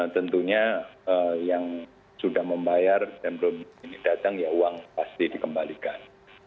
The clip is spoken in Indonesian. tentunya yang sudah membayar dan belum datang ya uang pasti dikembalikan